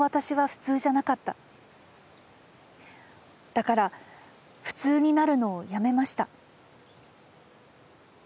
だから普通になるのをやめました。